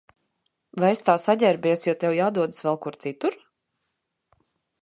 Vai esi tā saģērbies, jo tev jādodas vēl kur citur?